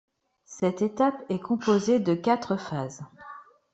Chaque étape est composée de quatre phases.